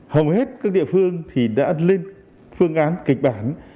hầu hết các địa phương đã lên phương án kịch bản